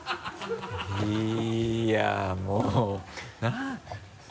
いやぁもうなぁ。